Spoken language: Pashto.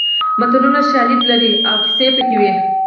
متلونه شالید لري او کیسه پکې وي